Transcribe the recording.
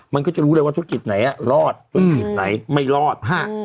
มันก็จะรู้เลยว่าธุรกิจไหนรอดธุรกิจไหนไม่รอด